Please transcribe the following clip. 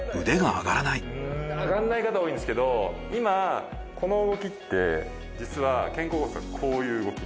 上がんない方多いんですけど今この動きって実は肩甲骨のこういう動き。